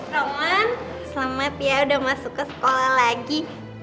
sama selamat ya udah masuk ke sekolah lagi